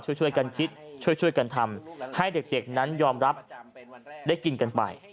ช่วยกันคิดช่วยกันทำให้เด็กนั้นยอมรับได้กินกันไป